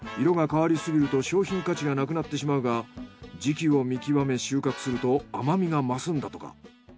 色が変わりすぎると商品価値がなくなってしまうが時期を見極め収穫すると甘味が増すんだとか。